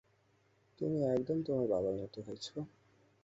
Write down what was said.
তুমি একদম তোমার বাবার মতো হয়েছ।